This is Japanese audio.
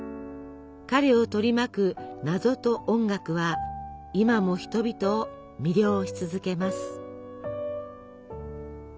彼を取り巻く謎と音楽は今も人々を魅了し続けます。